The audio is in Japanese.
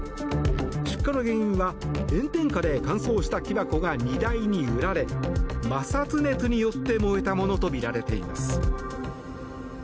出火の原因は炎天下で乾燥した木箱が荷台に揺られ摩擦熱によって燃えたものとみられています。